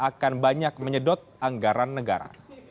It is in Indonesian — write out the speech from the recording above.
akan banyak menyedot anggaran negara